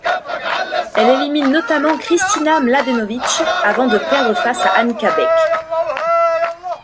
Elle élimine notamment Kristina Mladenovic avant de perdre face à Annika Beck.